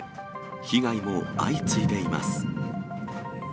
被害も相次いでいます。